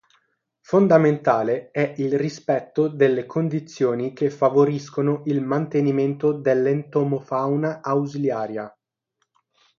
Fondamentale è il rispetto delle condizioni che favoriscono il mantenimento dell'entomofauna ausiliaria.